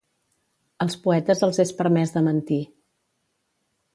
Als poetes els és permès de mentir.